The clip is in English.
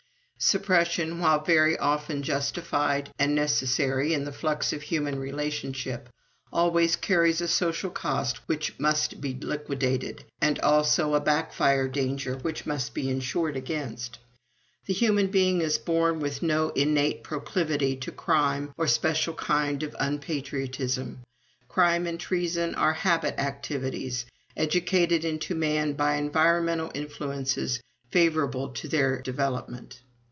Suppression, while very often justified and necessary in the flux of human relationship, always carries a social cost which must be liquidated, and also a backfire danger which must be insured against. The human being is born with no innate proclivity to crime or special kind of unpatriotism. Crime and treason are habit activities, educated into man by environmental influences favorable to their development.